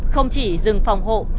không chỉ rừng phòng hộ